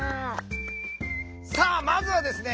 さあまずはですね